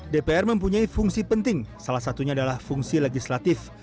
dpr mempunyai fungsi penting salah satunya adalah fungsi legislatif